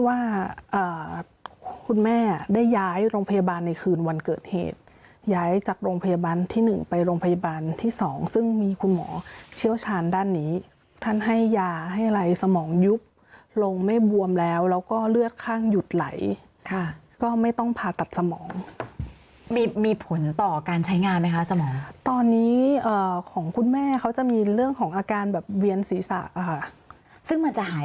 ว่าคุณแม่ได้ย้ายโรงพยาบาลในคืนวันเกิดเหตุย้ายจากโรงพยาบาลที่๑ไปโรงพยาบาลที่สองซึ่งมีคุณหมอเชี่ยวชาญด้านนี้ท่านให้ยาให้อะไรสมองยุบลงไม่บวมแล้วแล้วก็เลือดข้างหยุดไหลค่ะก็ไม่ต้องผ่าตัดสมองมีมีผลต่อการใช้งานไหมคะสมองตอนนี้ของคุณแม่เขาจะมีเรื่องของอาการแบบเวียนศีรษะค่ะซึ่งมันจะหาย